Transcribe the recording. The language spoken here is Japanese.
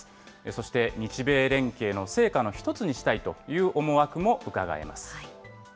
そして、日米連携の成果の一つにしたいという思惑もうかがえます。